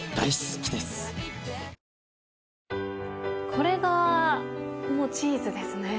これがもうチーズですね。